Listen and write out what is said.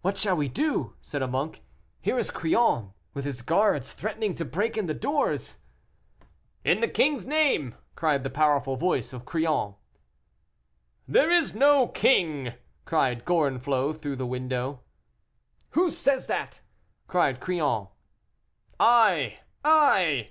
"What shall we do?" said a monk. "Here is Crillon, with his guards, threatening to break in the doors!" "In the king's name!" cried the powerful voice of Crillon. "There is no king!" cried Gorenflot through the window. "Who says that?" cried Crillon. "I! I!"